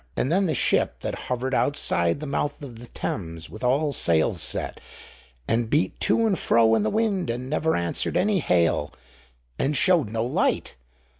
'" And then the ship that hovered outside the mouth of the Thames with all sails set and beat to and fro in the wind, and never answered any hail, and showed no light!